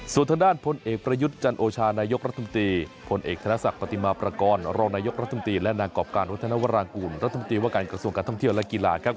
ส่วนทางด้านพลเอกประยุทธ์จันโอชานายกรัฐมนตรีผลเอกธนศักดิ์ปฏิมาประกอบรองนายกรัฐมนตรีและนางกรอบการวัฒนวรางกูลรัฐมนตรีว่าการกระทรวงการท่องเที่ยวและกีฬาครับ